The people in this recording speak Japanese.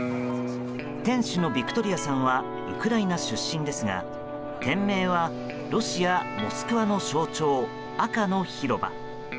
店主のヴィクトリアさんはウクライナ出身ですが店名はロシア・モスクワの象徴赤の広場。